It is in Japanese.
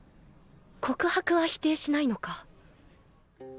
告白は否定しないのか